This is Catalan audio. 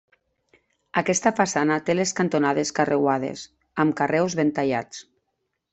Aquesta façana té les cantonades carreuades, amb carreus ben tallats.